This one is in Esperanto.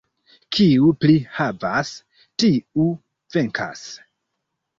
Kiu pli havas, tiu venkas.